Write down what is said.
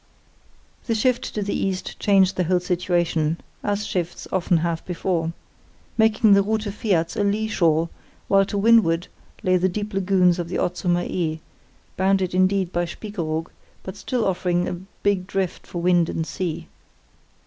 "The shift to the east changed the whole situation (as shifts often have before), making the Rute Flats a lee shore, while to windward lay the deep lagoons of the Otzumer Ee, bounded indeed by Spiekeroog, but still offering a big drift for wind and sea.